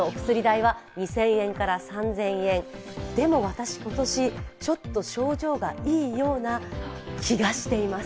私、今年、ちょっと症状がいいような気がしています。